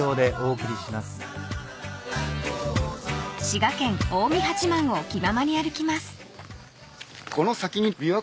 ［滋賀県近江八幡を気ままに歩きます］